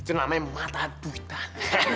itu namanya mata duitan